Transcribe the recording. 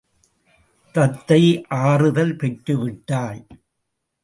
தத்தை ஆறுதல் பெற்றுவிட்டாள்.